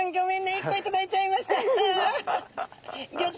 １個頂いちゃいました。